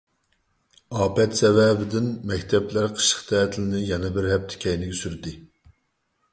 ئاپەت سەۋەبىدىن مەكتەپلەر قىشلىق تەتىلنى يەنە بىر ھەپتە كەينىگە سۈردى.